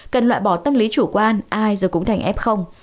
cần loại bỏ tâm lý chủ quan ai rồi cũng thành f